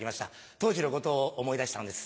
当時のことを思い出したんです。